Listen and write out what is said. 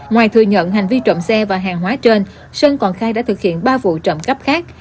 ngoài thừa nhận hành vi trộm xe và hàng hóa trên sơn còn khai đã thực hiện ba vụ trộm cắp khác